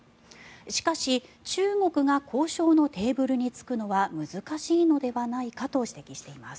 しかし、中国が交渉のテーブルに着くのは難しいのではないかと指摘しています。